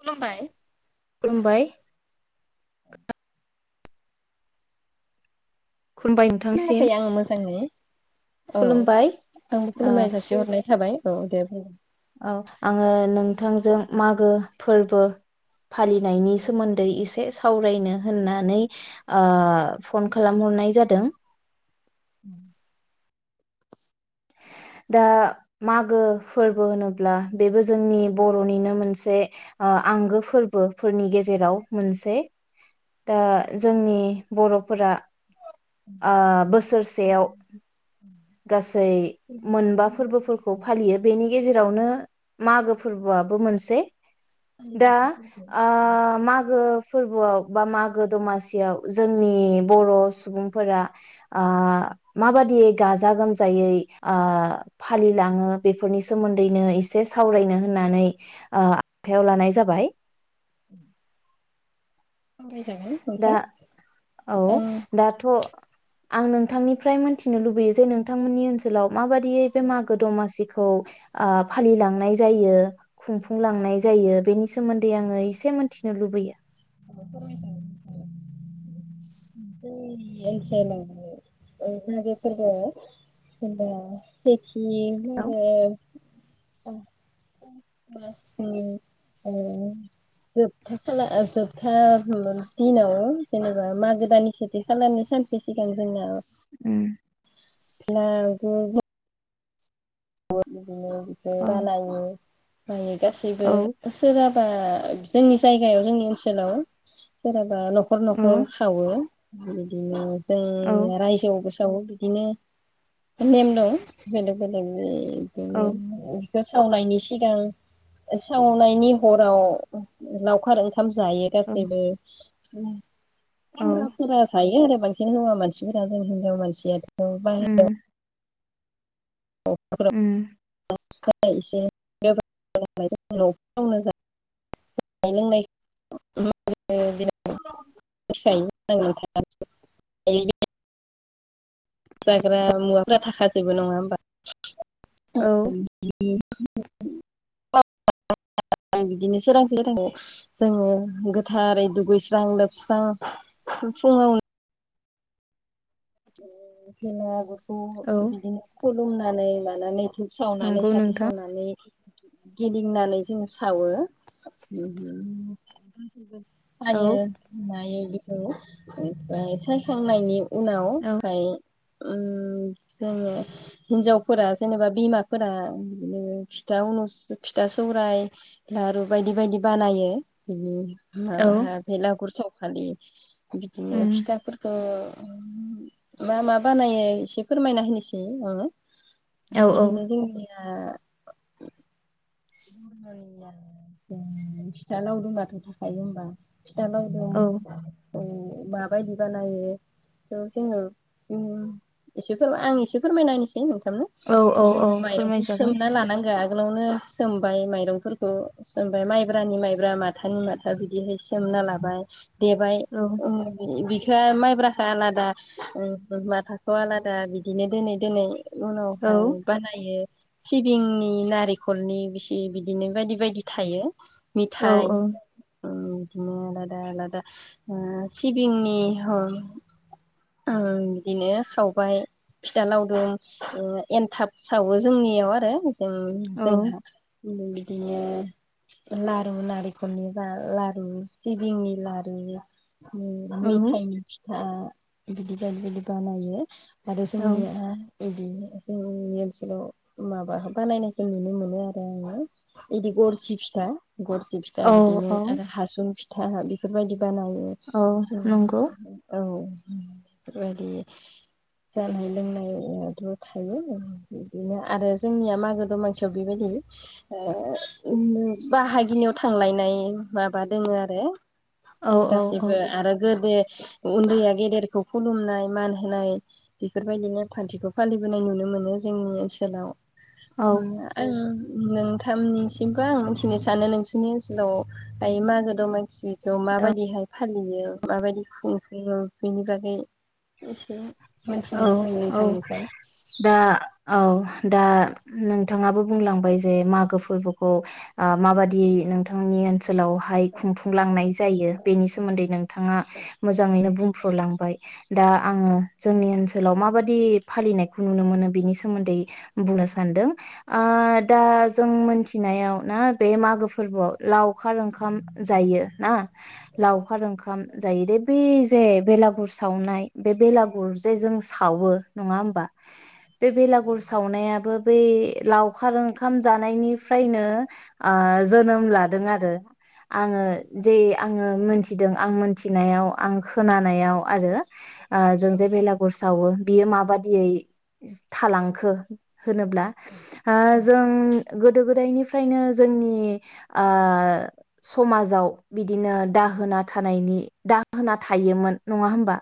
खुलुमबाय खुलुमबाय खुलुमबाय नोंथांसिम खोनायाखै आङो मोजाङै। औ खुलुमबाय आंबो ओ खुलुमनाय जासिहरनाय थाबाय। औ दे बुं। औ आङो नोंथांजों मागो फोरबो फालिनायनि सोमोन्दै एसे सावरायनो होननानै फन ओ खालामहरनाय जादों। [inaudible] दा मागो फोरबो होनोब्ला बेबो जोंनि बर'निनो मोनसे ओ आंगो फोरबोफोरनि गेजेराव मोनसे दा जोंनि बर'फोरा ओ बोसोरसेयाव गासै मोनबा फोरबोफोरखौ फालियो बेनि गेजेरावनो मा मागो फोरबोआबो मोनसे। दा ओ मागो फोर [unintelligible] बा मागो सावरायजागोन दमासियाव जोंनि बर' सुबुंफोरा ओ माबादि गाजा गोमजायै ओ फालिलाङो बेफोरनि सोमोन्दैनो एसे सावरायनो होननानै ओ आखायाव लानाय जाबाय। ओम दा औ आं दाथ' आं नोंथांनिफ्राय मोनथिनो लुबैयो जे नोंथांमोननि ओनसोलाव माबादियै बे मागो दमासिखौ खौ ओ फालिलांनाय जायो। खुंफुं लांनाय जायो बेनि सोमोन्दै आङो एसे मिथि लुबैयो। जोंनि [unintelligible] औ [unintelligible] [unintelligible] था दिनाव जेनेबा मागो दाननि सेथि खालारनि सानसे सिगां जोंना ओम बेलागुर औ [unintelligible] माने गासैबो औ सोरबा बा जोंनि जायगायाव जोंनि ओनसोलाव सोराबा बा नखर औ नखर सावो बिदिनो औ जों रायजोआवबो दाव बिदिनो नेम दं बेलेग बेलेग। [unintelligible] औ बेखौ सावनायनि सिगां सावनायनि हराव लावखार ओंखा ओंखाम जायो औ गासैबो। उम औ सेंग्राफोरा जायो आरो। बांसिन हौवा मानसिफोरा जों हिनजाव मानसिया औ बाहेरायाव उम उम [unintelligible] [unintelligible] [unintelligible] जाग्रा मुवाफ्रा थाखा जोबो नङा होमबा? औ। [unintelligible] जोङो गोथारै दुगैस्रां लोबस्रां फुङावनो भेलागुर औ। हमनानै लानानै इखो सावनानै नंगौ साथि नोंथां सावनानै गिदिंनानै जों सावो। [unintelligible] औ ओमफ्राय सायखांनायनि उनाव औ हाय ओ जोङो हिनजावफोरा जेनेबा बिमाफोरा बिदिनो फिथा अनुस फिथा सौराइ लारु बायदि बायदि बानायो बिनो। औ माबा भेलागुर साव खालि बिदिनो उम फिथाफोरखो मा मा बानायो एसे फोरमायना होनोसै नोंनो औ औ बिदिनो जोंनिया आ [unintelligible] फिथा लावदुमाथ' थाखायो होमबा? फिथा लावदुम औ औ माबायदि बानायो थ' जोङो उम एसे फोर आं एसे फोरमायना होनोसै नोंथांनो औ औ जोङो औ माइरंखौ फोरमायजागोन सोमना लानांगो आ उनावनो सोमबाय माइरंफोरखौ ओमबाय माइब्रानि माइब्रा माथानि माथा बिदिहाय सोमना लाबाय। देबाय औ उम [unintelligible] हो माइब्राखो आलादा [unintelligible] माथाखौ आलादा बिदिनो दोनै दोनै औ उनावहाय बानायो। सिबिंनि नारिखलनि बेसि बिदिनो बायदि बायदि थायो। औ मिथाइ औ उम बिदिनो आलादा आलादा आ सिबिंनि ओ बिदिनो खावबाय फिथा लावदुम एन्थाब सावो जोंनियाव आरो उम जोंहा बिदिनो लारु नारिखनि दा लारु सिबिंनि लारु उम मिथाइनि फि था बिदि बायदि बायदि बानायो। आरो औ जोंनियाहा बिदि जोंनि ओनसोलाव माबा बानायनायखौ नुनो मोनो आरो जायो इदि गरसि फिथा गरसि फिथा बिदिनो औ आरो हासुं फि था बेफोरबायदि बानायो औ उम नंगौ औ। बे [unintelligible] बायदि जानाय लोंनायाथ' थायो ओ बिदिनो आरो जोंनिया मागो दमासियाव बेबायदि ओ बाहागिनियाव थांलायनाय माबा दोङो आरो औ औ औ दासिमबो आरो गोदो उन्दैया गेदेरखौ खुलुमनाय मान होनाय बेफोरबायदि नेमखान्थिखौ फालिबोनाय नुनो मोनो जोंनि ओनसोलाव उम आं नोंथांनिसिमबो आं मिथिनो सानो नोंसोरनि ओनसोलाव हाय मागो दमासि खौ माबायदिहाय फालियो माबायदि खुंफुङो बेनि बागै एसे औ मिथिनो लुबैयो औ नोंथांनिफ्राय दा औ दा नोंथाङाबो बुंलांबाय जे मागो फोरबोखौ ओ माबादि नोंथांनि ओनसोल- -लावहाय खुंफुंलांनाय जायो बेनि सोमोन्दै नोंथाङा मोजाङैनो बुं- लांबाय दा आङो जोंनि ओनसोलाव माबा -दि फालिनायखौ नुनो मोनो बिनि सोमोन्दै बुंनो सानदों ओ दा जों मिथिनायाव ना बे मागो फोरबोआव लाव -खार ओंखाम जायो ना लावखार ओंखाम जायो दे बे जे बेलागुर सावनाय बे बेला- -गुर जे जों सावो नङा होमबा बे बेलागुर सावनायाबो बै लावखार ओंखाम जानायनिफ्रायनो आ जोनोम लादों आरो आङो जे आङो मोनथिदों आं मोनथिनायाव आं खोनानायाव आरो आ जों जे बेलागुर सावो बो बियो माबादियै थालांखो होनोब्ला ओ जों गोदो गोदायनिफ्रायनो जोंनि ओ समाजाव बिदिनो दाहोना थानायनि दाहोना थायोमोन नङा होमबा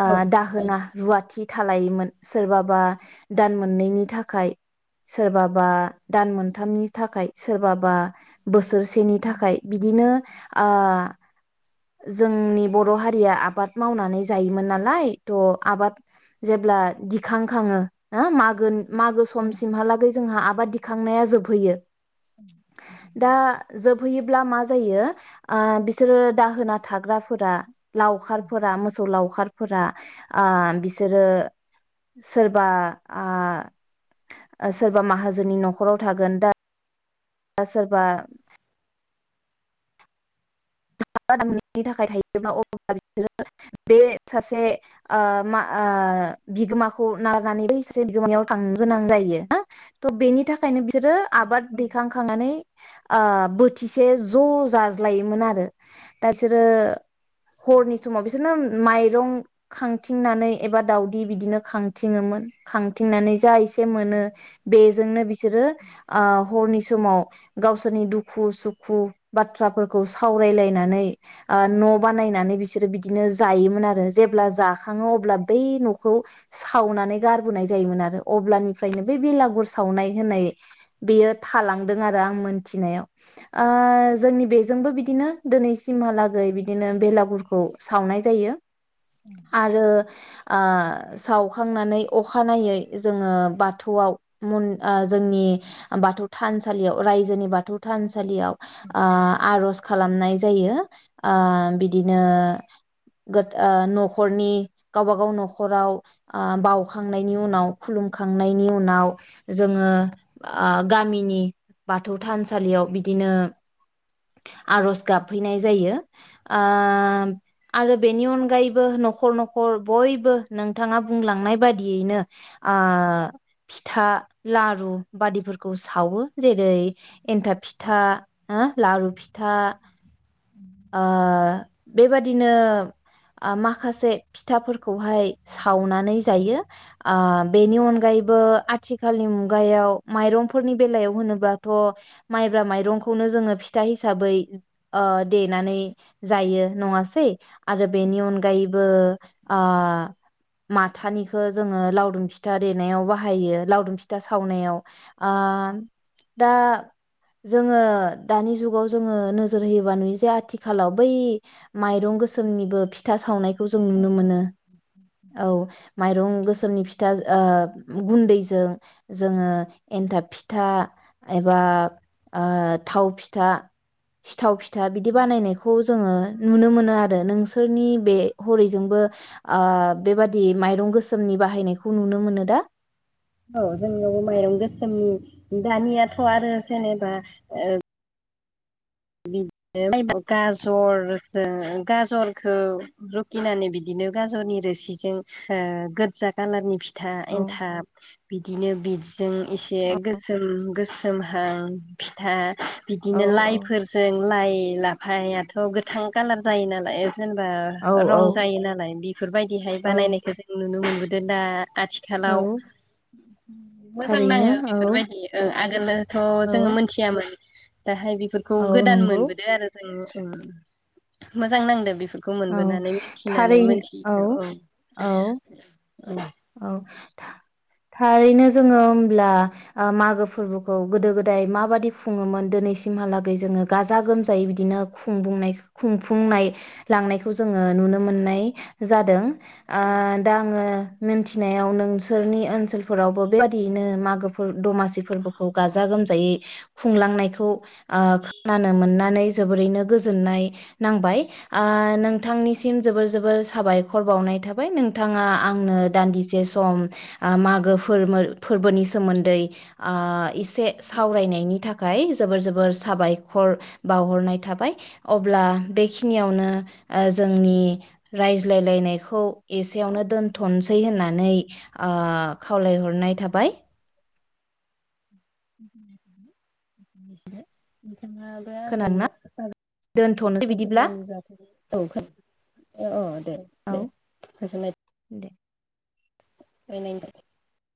ओ औ दाहोना रुवाथि था थालायोमोन सोरबाबा दान मोननैनि थाखाय सोरबाबा दान मोनथामनि थाखाय सोरबाबा बोसोरसेनि थाखाय बिदिनो ओ जोंनि बर' हारिया आबाद मावनानै जायोमोन नाला य थ' आबाद जेब्ला दिखां खाङो हो मागो मागो समसिमहालागै जोंहा आबाद दिखांनाया जोबहैयो [inaudible] दा जोबहैयोब्ला मा जायो ओ बिसोरो दाहोना थाग्राफोरा लावखारफोरा मोसौ लावखार फोरा आ बिसोरो सोरबा आ सोरबा माहाजोननि न'खराव थागोन दा सोरबा [inaudible] बे सासे ओ मा ओ बिगोमाखौ [inaudible] सासे बिगोमानियाव थांनो गोनां जायो ना थ' बेनि थाखायनो बि सोरो आबाद दैखां खांनानै ओ बोथिसे ज' जाज्लायोमोन आरो। दा इसोरो हरनि समाव बिसोर नोम माइरं खांथिंनानै एबा दावदै बिदिनो खांथिङोमोन खांथिंनानै जा एसे मोनो बेजोंनो बिसोरो ओ हरनि स माव गावसोरनि दुखु सुखु बाथ्राफोर खौ सावरायलाय [unintelligible] बानायनानै बिसोरो बिदिनो जायोमोन आरो जेब्ला जा खाङो अब्ला बै न'खौ सावनानै गारबोनाय जायोमोन आरो अब्लानिफ्रायनो बे बेलागुर सावनाय होननाय बेयो थालांदों आरो आं मोनथिनायाव ओ जोंनि बेजोंबो बिदिनो दिनै सिमहालागै बिदिनो बेलागुरखौ सावनाय जायो। आरो ओ सावखांनानै अखानायै जोङो बाथौआव मन ओ जोंनि बाथौ थानसालियाव रायजोनि बाथौ थान सालियाव ओ आर'ज खालामनाय जायो ओ बिदिनो [unintelligible] न'खरनि गावब गाव न'खराव ओ बावखांनायनि उनाव खुलुमखांनायनि उनाव जोङो ओ गामिनि बाथौ थानसालियाव बिदिनो आरज गाबहैनाय जायो ओ आरो बेनि अनगायैबो न'खर न'खर बयबो नोंथाङा बुंलांनाय बादियैनो आ फिथा लारु बादिफोरखौ सावो जेरै एन्थाब फिथा हा लारु फिथा ओ बे बेबादिनो आ माखासे फिथाफोर खौहाय सावनानै जायो ओ बेनि अनगायैबो आथिखालनि मुगायाव माइरंफोरनि बेलायाव होनोबाथ' माइब्रा माइरंखौनो जोङो फिथा हिसाबै ओ देनानै जायो नङासै आरो बेनि अनगायैबो ओ माथानिखो जोङो लावदुम फिथा देनायाव बाहायो लावदुम फिथा सावनायाव आ दा जोङो दानि जुगाव जोङो नोजोर होयोबा नुयोजे आथिखालाव बै माइरं गोसोमनिबो फि फिथा सावनायखौ जों नुनो मोनो औ माइरं गोसोमनि फिथा ओ गुन्दैजों जोङो एन्थाब फिथा एबा ओ थाव फिथा सिथाव फि फिथा बिदि बानायनायखौ जोङो नुनो मोनो आरो नोंसोरनि बे हरैजोंबो ओ बेबादि माइरं गोसोमनि बाहायनायखौ नुनो मोनो दा औ जोंनाव माइरं गोसोम दानियाथ' आरो जेनेबा ओ बिदिनो गाजरजों गाजरखौ रुखिनानै बिदिनो गाजरनि रोसिजों ओ गोजा खाालारनि फि था औ एन्थाब बिदिनो बि जों इसे गोसोम गोसोमहां फिथा औ बिदिनो लाइ लाइ लाफायाथ' गोथां कालार जायो नालाय जेनबा औ औ रं जायो नालाय बेफोरबायदिहाय औ बानायनायखौ जों नुनो मोबो [unintelligible] औ आथिखालाव मोजां थारैनो नाङो औ बेफोरबायदि आगोलोथ' औ जोङो मोनथियामोन दाहाय बि खौ औ गोदान नंगौ मोनबोदो आरो जोङो उम मोजां नांदो बे फोरखौ औ मोनबोनानै मिथिनानै मोनथियिखौ औ औ औ औ थारैनो जोङो होमब्ला मागो फोरबोखौ गोदो गोदाय माबादि खुङोमोन दिनैसिमहालागै जोङो गाजा गोमजायै बिदिनो खुंफुंनाय लांनायखौ जोङो नुनो मोननाय जादों। आ औ दा आङो मोनथिनायाव नोंसोरनि ओनसोलफोरावबो बेबादियैनो मागोफोर दमासि फोरबोखौ गाजा गोमजायै खुंलांनायखौ खोनानो मोननानै जोबोरैनो गोजोननाय नांबाय आ नोंथांनि सि सिम जोबोर जोबोर साबायखर बावनाय थाबाय नों थाङा आंनो सान्दिसे सम मागो फोरबोनि सोमोन्दै एसे सावरायनायनि था खाय जोबोर जोबोर साबायखर बावहरनाय थाबाय अब्ला बेखिनियावनो जोंनि रायज्लायलायनायखौ। एसेयावनो दोनथ'नोसै [unintelligible] होननानै ओ खावलायहरनाय थाबाय [inaudible] नोंथाङाबो आंनो खोनादोंना दोनथ'नोसै मागो बिदिब्ला फोरबोनि बागै औ खो औ दे औ दे गोजोननाय दे [unintelligible]